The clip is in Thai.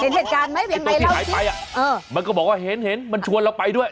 เห็นเหตุการณ์ไหมยังไงเราคิดมันก็บอกว่าเห็นมันชวนเราไปด้วย